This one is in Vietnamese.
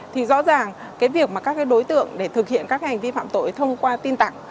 thì rõ ràng cái việc mà các cái đối tượng để thực hiện các hành vi phạm tội thông qua tin tặc